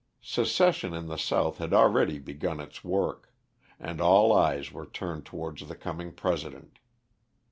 Secession in the South had already begun its work; and all eyes were turned towards the coming President.